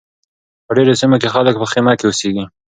په ډېرو سیمو کې خلک په خیمه کې اوسیږي.